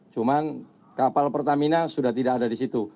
cuman kapal pertamina sudah tidak ada di situ